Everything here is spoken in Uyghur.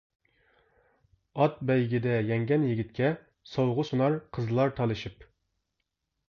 ئات بەيگىدە يەڭگەن يىگىتكە، سوۋغا سۇنار قىزلار تالىشىپ.